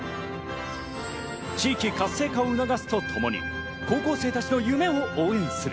地域活性化を促すとともに、高校生たちの夢を応援する。